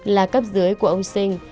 là cấp dưới của ông sinh